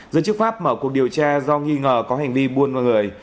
giới chức pháp mở cuộc điều tra do nghi ngờ có hành vi buôn mọi người